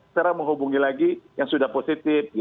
sekarang menghubungi lagi yang sudah positif